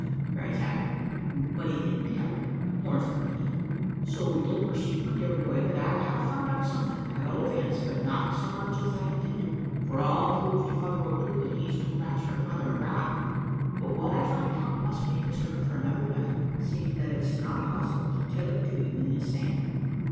cries I; but he didn't hear me more's the pity. "So you'll perceive, my dear boy, that I have found out something, at all events, but not so much as I intended; for I'll prove to Father O'Toole, that he's no match for Father McGrath. But what I find out must be reserved for another letter, seeing that it's not possible to tell it to you in this same.